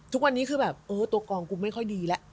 ทุกวันนี้คือแบบเออตัวกองกูไม่ค่อยดีแล้ว